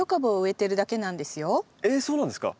えっそうなんですか？